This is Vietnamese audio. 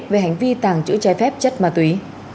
về hành vi tàng trữ trái phép chất ma túy